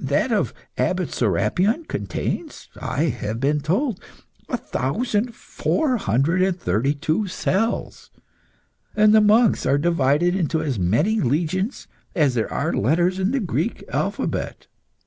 That of Abbot Serapion contains, I have been told, a thousand four hundred and thirty two cells, and the monks are divided into as many legions as there are letters in the Greek alphabet.